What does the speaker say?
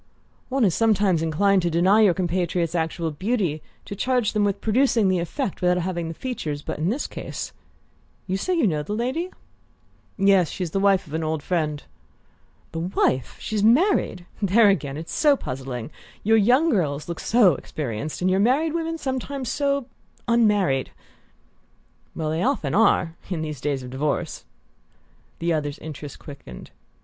"One is sometimes inclined to deny your compatriots actual beauty to charge them with producing the effect without having the features; but in this case you say you know the lady?" "Yes: she's the wife of an old friend." "The wife? She's married? There, again, it's so puzzling! Your young girls look so experienced, and your married women sometimes so unmarried." "Well, they often are in these days of divorce!" The other's interest quickened.